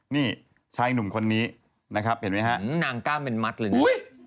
นี่ชายหนุ่มคนนี้นะครับเห็นไหมครับ